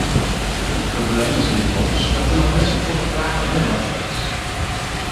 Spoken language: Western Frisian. In probleem is lykwols dat der noch net safolle fraach en oanbod foar is.